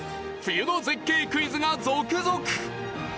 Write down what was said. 冬の絶景クイズが続々！